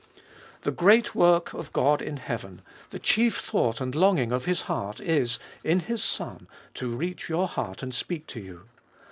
The great work of God in heaven, the chief thought and longing of His heart is, in His Son, to reach your heart and speak to you.